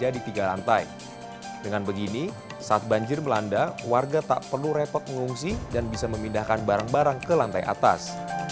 dengan begini saat banjir melanda warga tak perlu repot mengungsi dan bisa memindahkan barang barang ke lantai atas